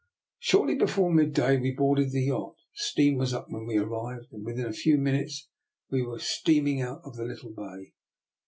Shortly before midday we boarded the yacht. Steam was up when we arrived, and within a few minutes we were steaming out of the little bay.